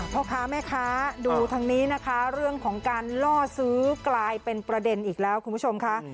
พ่อค้าแม่ค้าดูทางนี้นะคะเรื่องของการล่อซื้อกลายเป็นประเด็นอีกแล้วคุณผู้ชมค่ะ